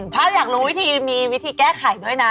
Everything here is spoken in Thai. ถ้าอยากรู้วิธีมีวิธีแก้ไขด้วยนะ